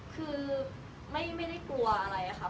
คือไม่ได้กลัวอะไรค่ะ